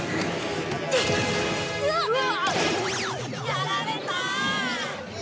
やられた！